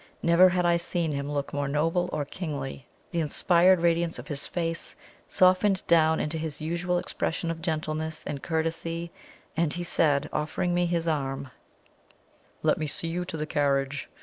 Never had I seen him look more noble or kingly. The inspired radiance of his face softened down into his usual expression of gentleness and courtesy, and he said, offering me his arm: "Let me see you to the carriage.